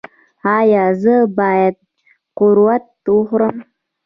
ایا زه باید قروت وخورم؟